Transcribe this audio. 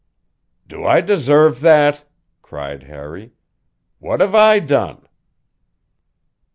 "Do I deserve that?" cried Harry. "What have I done?"